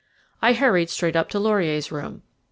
I hurried straight up to Laurier's room.